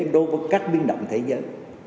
đối với các biến động thế giới